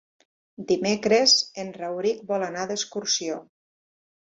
Dimecres en Rauric vol anar d'excursió.